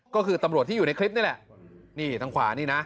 ก็คือตำรวจที่อยู่ในคลิปนี่แหละนี่ทางขวานี่นะ